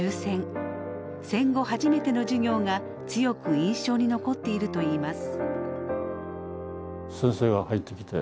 戦後初めての授業が強く印象に残っているといいます。